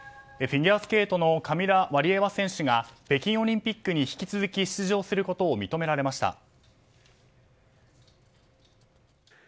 フィギュアスケートのカミラ・ワリエワ選手が北京オリンピックに引き続き出場することを認められました。